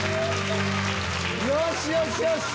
よしよしよし！